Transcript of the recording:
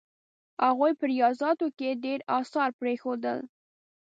هغوی په ریاضیاتو کې ډېر اثار پرېښودل.